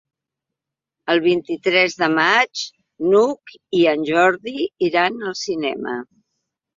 El vint-i-tres de maig n'Hug i en Jordi iran al cinema.